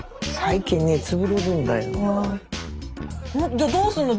じゃどうすんの？